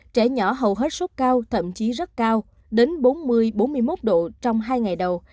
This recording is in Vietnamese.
trẻ nhỏ hầu hết sốt cao thậm chí rất cao đến bốn mươi bốn mươi một độ trong hai ngày đầu